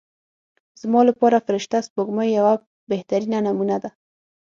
زما لپاره فرشته سپوږمۍ یوه بهترینه نمونه ده.